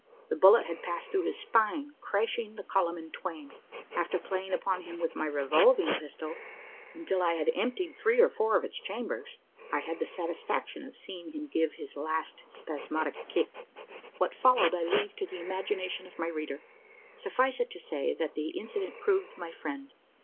The bullet had passed through his spine, crashing the column in twain. After playing upon him with my revolving pistol, until I had emptied three or four of its chambers, I had the satisfaction of seeing him give his last spasmodic "kick." What followed, I leave to the imagination of my reader. Suffice it to say, that the incident proved my friend.